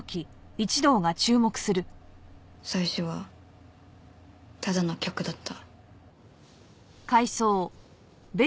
最初はただの客だった。